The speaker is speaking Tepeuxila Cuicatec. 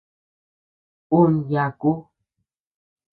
Un yaku.